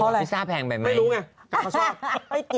พิซซ่าแพงแบบไหนไม่รู้ไงมันชอบ